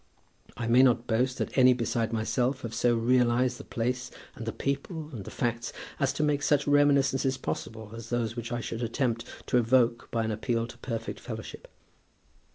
I may not boast that any beside myself have so realized the place, and the people, and the facts, as to make such reminiscences possible as those which I should attempt to evoke by an appeal to perfect fellowship.